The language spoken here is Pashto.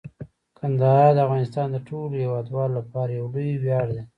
کندهار د افغانستان د ټولو هیوادوالو لپاره یو لوی ویاړ دی.